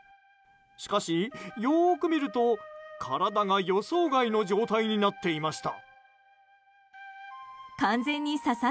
しかし、よく見ると体が予想外の状態になっていました。